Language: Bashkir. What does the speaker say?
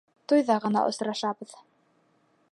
Туйҙа ғына осрашабыҙ!